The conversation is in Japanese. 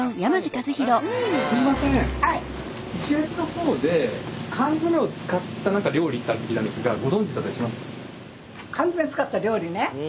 すみません石垣の方で缶詰を使った何か料理ってあるって聞いたんですがご存じだったりします？